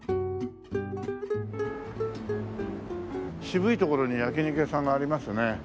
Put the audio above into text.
渋い所に焼き肉屋さんがありますね。